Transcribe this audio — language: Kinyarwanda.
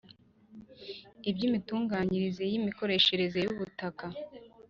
by imitunganyirize y imikoreshereze y ubutaka